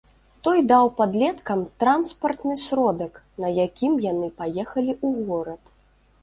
Той даў падлеткам транспартны сродак, на якім яны паехалі ў горад.